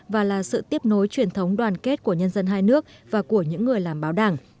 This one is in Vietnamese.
và là sự tiếp nối truyền thống đoàn kết của nhân dân hai nước và của những người làm báo đảng